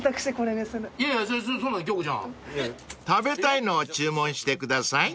［食べたいのを注文してください］